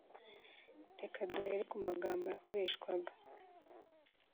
Reka duhere ku magambo yakoreshwaga